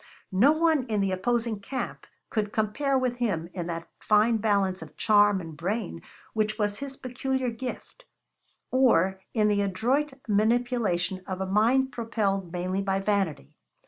No one in the opposing camp could compare with him in that fine balance of charm and brain which was his peculiar gift, or in the adroit manipulation of a mind propelled mainly by vanity.